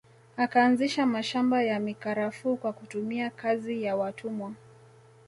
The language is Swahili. Akaanzisha mashamba ya mikarafuu kwa kutumia kazi ya watumwa